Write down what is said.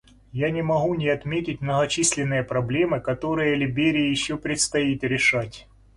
Я не могу не отметить многочисленные проблемы, которые Либерии еще предстоит решать.